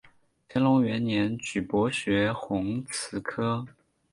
乾隆元年举博学鸿词科。